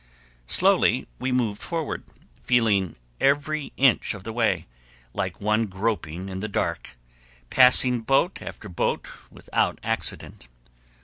Slowly we moved forward, feeling every inch of the way, like one groping in the dark, passing boat after boat without accident.